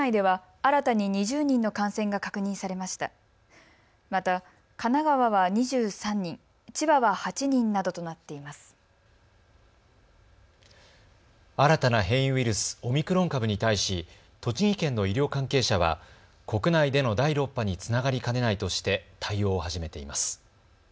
新たな変異ウイルス、オミクロン株に対し栃木県の医療関係者は国内での第６波につながりかねないとして対応を始めています。